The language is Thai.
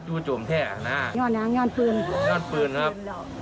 ยอดปืนครับ